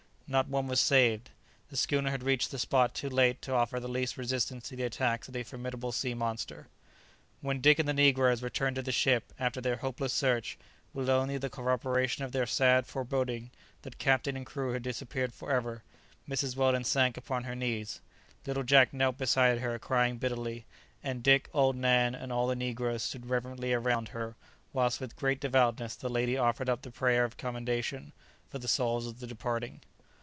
Not one was saved; the schooner had reached the spot too late to offer the least resistance to the attacks of the formidable sea monster. When Dick and the negroes returned to the ship after their hopeless search, with only the corroboration of their sad foreboding that captain and crew had disappeared for ever, Mrs. Weldon sank upon her knees; little Jack knelt beside her crying bitterly; and Dick, old Nan, and all the negroes stood reverently around her whilst with great devoutness the lady offered up the prayer of commendation for the souls of the departing.